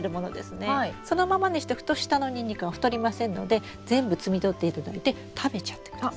そのままにしとくと下のニンニクが太りませんので全部摘み取っていただいて食べちゃってください。